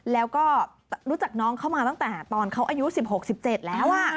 แล้วก็รู้จักน้องเขามาตั้งแต่ตอนเขาอายุ๑๖๑๗แล้ว